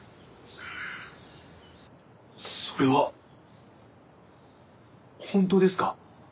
それは本当ですか？